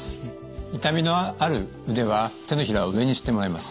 痛みのある腕は手のひらを上にしてもらいます。